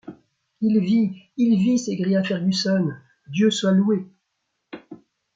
Il vit ! il vit ! s’écria Fergusson ; Dieu soit loué !